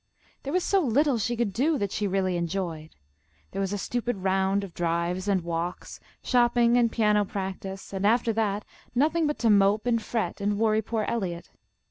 There was so little she could do that she really enjoyed. There was a stupid round of drives and walks, shopping and piano practice, and after that nothing but to mope and fret and worry poor Eliot.